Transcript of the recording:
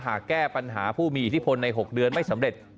แก้ปัญหาผู้มีอิทธิพลใน๖เดือนไม่สำเร็จ